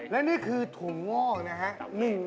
และนี่คือถุงงอกนะฮะ